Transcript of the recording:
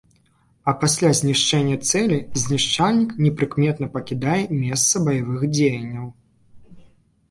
А пасля знішчэння цэлі знішчальнік непрыкметна пакідае месца баявых дзеянняў.